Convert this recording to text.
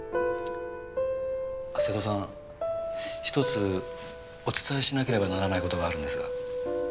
瀬戸さん１つお伝えしなければならない事があるんですが。